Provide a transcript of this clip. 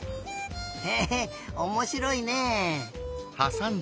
へえおもしろいね。